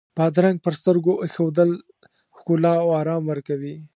بادرنګ پر سترګو ایښودل ښکلا او آرام ورکوي.